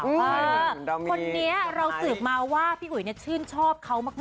คนนี้เราสืบมาว่าพี่อุ๋ยชื่นชอบเขามาก